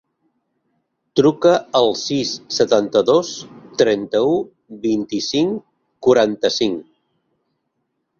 Truca al sis, setanta-dos, trenta-u, vint-i-cinc, quaranta-cinc.